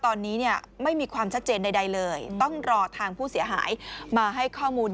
ตอนนี้เนี่ยไม่มีความชัดเจนใดเลยต้องรอทางผู้เสียหายมาให้ข้อมูล